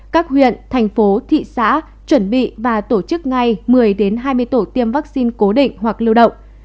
các huyện thành phố thị xã chuẩn bị và tổ chức ngay một mươi hai mươi tổ tiêm vaccine cố định hoặc lưu động